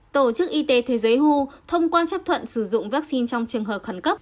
tổ chức y tế thế giới who thông quan chấp thuận sử dụng vaccine trong trường hợp khẩn cấp